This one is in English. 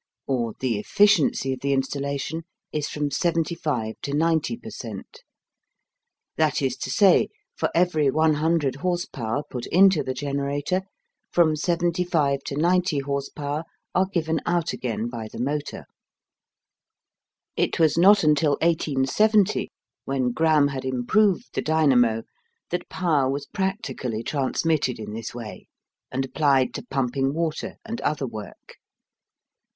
or the "efficiency" of the installation is from 75 to 90 per cent that is to say, for every 100 horse power put into the generator, from 75 to 90 horse power are given out again by the motor. It was not until 1870, when Gramme had improved the dynamo, that power was practically transmitted in this way, and applied to pumping water, and other work.